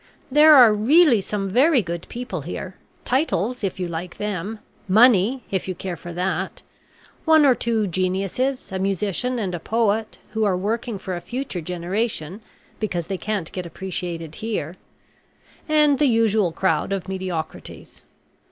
There are really some very good people here titles, if you like them money, if you care for that one or two geniuses a musician and a poet who are working for a future generation, because they can't get appreciated here and the usual crowd of mediocrities.